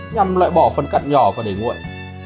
nhằm loại bỏ phần cặn nhỏ và để nguội